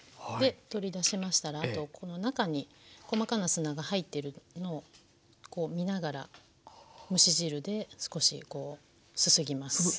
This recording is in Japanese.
で取り出しましたらあとこの中に細かな砂が入ってるのをこう見ながら蒸し汁で少しすすぎます。